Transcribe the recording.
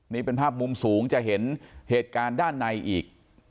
นี่เป็นภาพมุมสูงจะเห็นเหตุการณ์ด้านในอีก